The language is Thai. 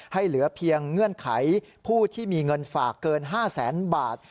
เหลือเพียงเงื่อนไขผู้ที่มีเงินฝากเกิน๕แสนบาท